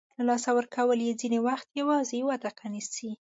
له لاسه ورکول یې ځینې وخت یوازې یوه دقیقه نیسي.